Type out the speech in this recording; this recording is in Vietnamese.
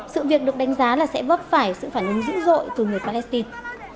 sự việc được đánh giá là sẽ vấp phải sự phản ứng dữ dội từ người palestine